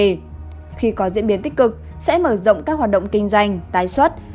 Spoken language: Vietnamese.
nếu hội nghị có diễn biến tích cực sẽ mở rộng các hoạt động kinh doanh tái xuất